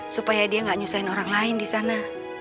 supaya dia gak nyusahin orang lain disana